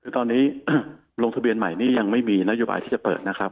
คือตอนนี้ลงทะเบียนใหม่นี้ยังไม่มีนโยบายที่จะเปิดนะครับ